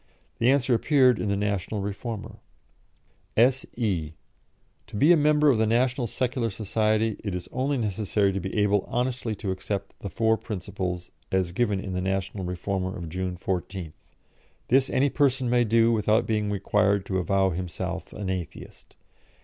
The answer appeared in the National Reformer: "S.E. To be a member of the National Secular Society it is only necessary to be able honestly to accept the four principles, as given in the National Reformer of June 14th. This any person may do without being required to avow himself an Atheist.